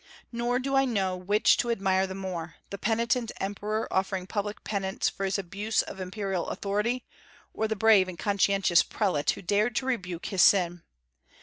Nor do I know which to admire the more, the penitent emperor offering public penance for his abuse of imperial authority, or the brave and conscientious prelate who dared to rebuke his sin.